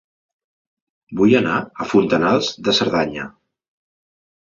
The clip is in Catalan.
Vull anar a Fontanals de Cerdanya